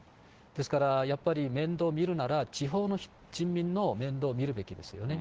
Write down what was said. ですから、やっぱり面倒見るなら、地方の人民の面倒を見るべきですよね。